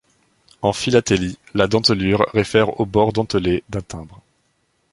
En philatélie, la dentelure réfère au bord dentelé d'un timbre.